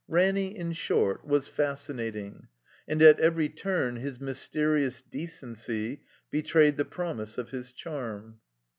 Ranny, in short, was fascinating. And at every tiuTi his mysterious decency betrayed the promise of his charm.